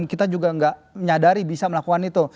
kita juga nggak menyadari bisa melakukan itu